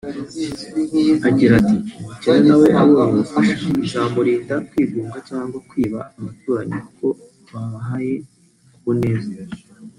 Agira ati “Umukene na we abonye ubufasha bizamurinda kwigunga cyangwa kwiba abaturanyi kuko babahaye ku neza”